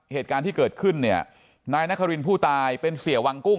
เหตุการณ์ที่เกิดขึ้นเนี่ยนายนครินผู้ตายเป็นเสียวังกุ้ง